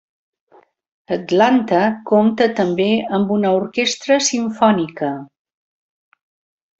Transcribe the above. Atlanta compta també amb una orquestra simfònica.